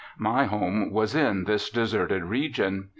My home was in this deserted region.